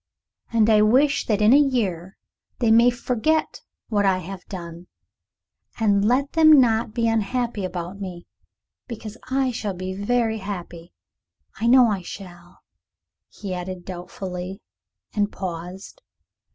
And I wish that in a year they may forget what I have done, and let them not be unhappy about me, because I shall be very happy. I know I shall," he added doubtfully, and paused.